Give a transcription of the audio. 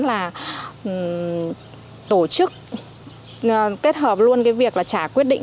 là tổ chức kết hợp luôn việc trả quyết định